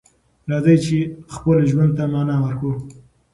راځئ چې خپل ژوند ته معنی ورکړو.